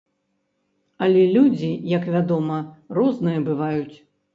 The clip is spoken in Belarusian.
Але людзі, як вядома, розныя бываюць.